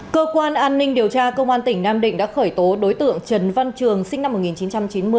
cơ quan an ninh điều tra công an tỉnh nam định đã khởi tố đối tượng trần văn trường sinh năm một nghìn chín trăm chín mươi